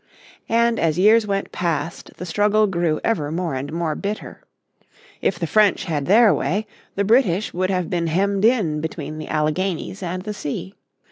And as years went past the struggle grew ever more and more bitter. If the French had their way, the British would have been hemmed in between the Alleghenies and the sea.